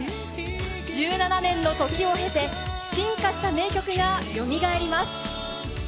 １７年の時を経て進化した名曲がよみがえります。